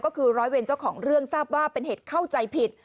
ก็คือร้อยเวรเจ้าของเรื่องทราบว่าเป็นเหตุเข้าใจผิด